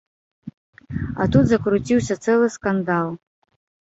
А тут закруціўся цэлы скандал.